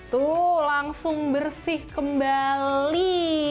tuh langsung bersih kembali